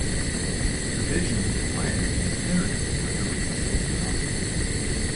The vision of the plan is Internet for Every Pacific Islander.